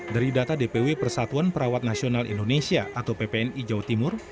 dari data dpw persatuan perawat nasional indonesia atau ppni jawa timur